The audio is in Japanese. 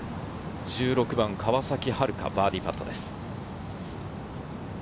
１６番、川崎春花、バーディーパットです。